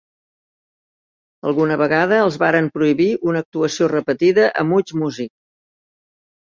Alguna vegada els varen prohibir una actuació repetida a Much Music.